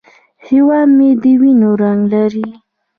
هیواد مې د وینو رنګ لري